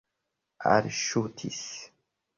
alŝutis